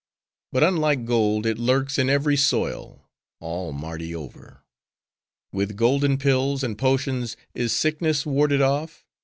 But unlike gold, it lurks in every soil,—all Mardi over. With golden pills and potions is sickness warded off?